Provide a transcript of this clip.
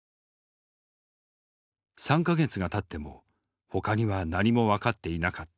３か月がたってもほかには何も分かっていなかった。